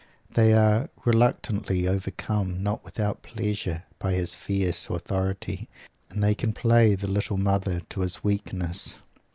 They are reluctantly overcome not without pleasure by his fierce authority; and they can play the "little mother" to his weakness.